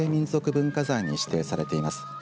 文化財に指定されています。